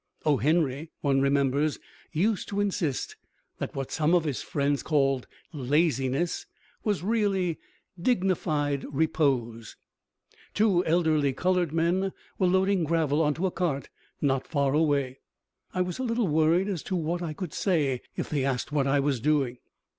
(O. Henry, one remembers, used to insist that what some of his friends called laziness was really "dignified repose.") Two elderly colored men were loading gravel onto a cart not far away. I was a little worried as to what I could say if they asked what I was doing.